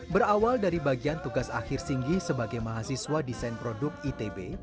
berawal dari bagian tugas akhir singgi sebagai mahasiswa desain produk itb